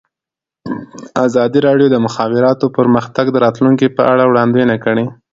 ازادي راډیو د د مخابراتو پرمختګ د راتلونکې په اړه وړاندوینې کړې.